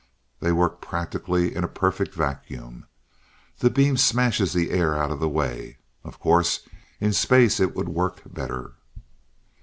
They work practically in a perfect vacuum. That beam smashes the air out of the way. Of course, in space it would work better."